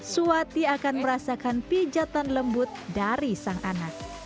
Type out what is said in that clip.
suwati akan merasakan pijatan lembut dari sang anak